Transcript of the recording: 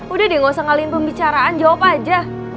udah deh gak usah ngalin pembicaraan jawab aja